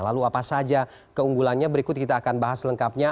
lalu apa saja keunggulannya berikut kita akan bahas lengkapnya